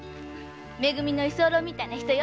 「め組」の居候みたいな人よ。